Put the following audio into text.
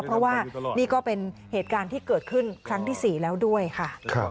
เพราะว่านี่ก็เป็นเหตุการณ์ที่เกิดขึ้นครั้งที่๔แล้วด้วยค่ะ